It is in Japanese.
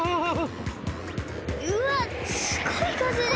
うわっすごいかぜです！